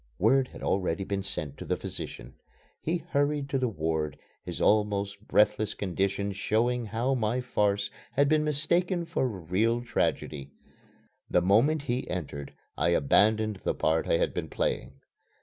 Word had already been sent to the physician. He hurried to the ward, his almost breathless condition showing how my farce had been mistaken for a real tragedy. The moment he entered I abandoned the part I had been playing.